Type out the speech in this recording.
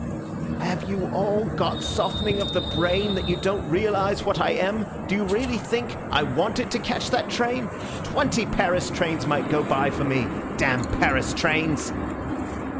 "Have you all got softening of the brain, that you don't realise what I am? Did you really think I wanted to catch that train? Twenty Paris trains might go by for me. Damn Paris trains!"